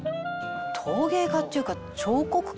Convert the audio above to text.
「陶芸家っていうか彫刻家みたいだね」